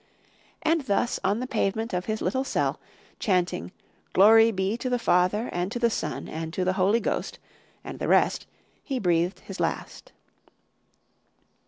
And thus on the pavement of his little cell, chanting 'Glory be to the Father, and to the Son, and to the Holy Ghost,' and the rest, he breathed his last.